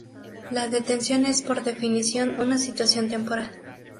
La detención es por definición una situación temporal.